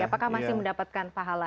apakah masih mendapatkan pahala